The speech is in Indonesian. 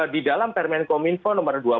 di dalam permen kominfo nomor